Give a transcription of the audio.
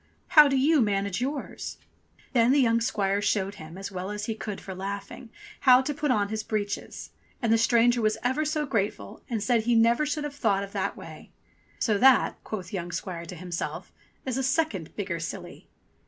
How do you manage yours ?" Then young squire showed him, as well as he could for laughing, how to put on his breeches, and the stranger was ever so grateful and said he never should have thought of that way. "So that," quoth young squire to himself, "is a second bigger silly."